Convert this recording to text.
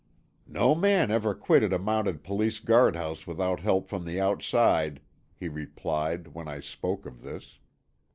"No man ever quitted a Mounted Police guardhouse without help from the outside," he replied, when I spoke of this.